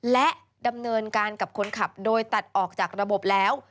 และดำเนินการกับคนขับโดยตัดออกจากระบบแล้ว